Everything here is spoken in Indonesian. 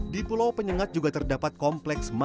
di pulau penyengat juga terdapat kompleks masjid